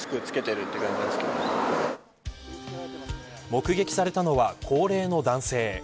目撃されたのは高齢の男性。